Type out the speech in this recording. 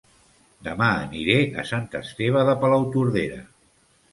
Dema aniré a Sant Esteve de Palautordera